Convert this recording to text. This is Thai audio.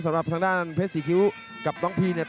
สำหรับทางด้านเพชรศรีคิ้วกับน้องพีเนี่ย